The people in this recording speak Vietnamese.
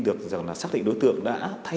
đồng chí trong kỳ hội